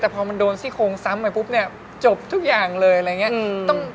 แต่พอมันโดนซี่โครงซ้ำไปปุ๊บเนี่ยจบทุกอย่างเลยอะไรอย่างนี้